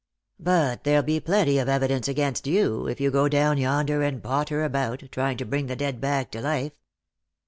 " But there'll be plenty of evidence against you, if you go down yonder and potter about, trying to bring the dead back to life."